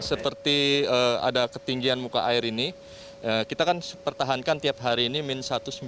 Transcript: seperti ada ketinggian muka air ini kita akan pertahankan tiap hari ini min satu sembilan